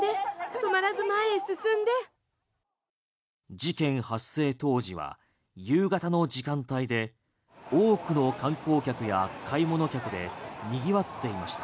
事件発生当時は夕方の時間帯で多くの観光客や買い物客で賑わっていました。